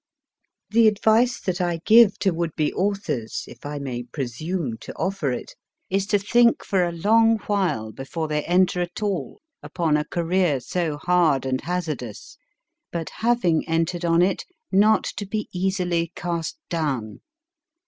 1 5 o MY FIRST BOOK The advice that I give to would be authors, if I may presume to offer it, is to think for a long while before they enter at all upon a career so hard and hazardous, but having entered on it, not to be easily cast down.